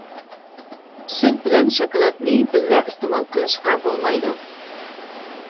سۈت بىلەن شاكىلاتنى بىللە ئىستېمال قىلىشقا بولمايدۇ.